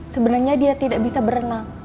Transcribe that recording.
sebenarnya dia tidak bisa berenang